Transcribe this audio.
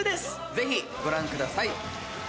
ぜひご覧ください。